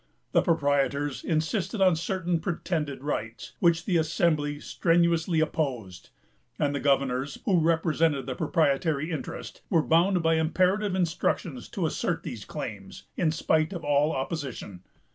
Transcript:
The proprietors insisted on certain pretended rights, which the Assembly strenuously opposed; and the governors, who represented the proprietary interest, were bound by imperative instructions to assert these claims, in spite of all opposition.